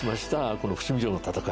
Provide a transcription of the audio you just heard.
この伏見城の戦い。